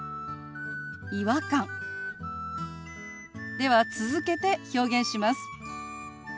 では続けて表現します。